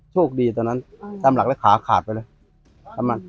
โชคดีตอนนั้นสามหลักแล้วขาขาดไปแล้ว